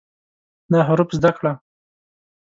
دا حروف زده کړه